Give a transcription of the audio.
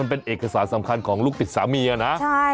เป็นเอกสารสำคัญของลูกติดสามีนะ